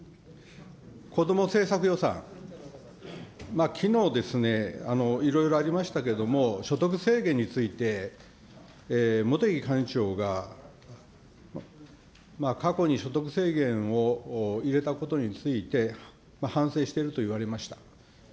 こども政策予算、きのうですね、いろいろありましたけれども、所得制限について、茂木幹事長が、過去に所得制限を入れたことについて、反省していると言われました。